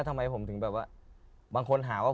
ทำไมผมถึงแบบว่าบางคนหาว่า